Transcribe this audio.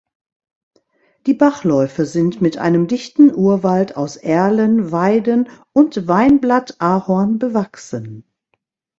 Die Bachläufe sind mit einem dichten Urwald aus Erlen, Weiden und Weinblatt-Ahorn bewachsen.